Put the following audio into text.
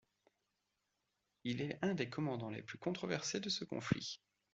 Il est un des commandants les plus controversés de ce conflit.